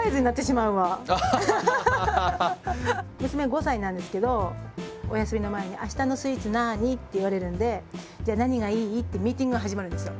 娘５歳なんですけどおやすみの前に「あしたのスイーツなに？」って言われるんで「じゃあ何がいい？」ってミーティングが始まるんですよ。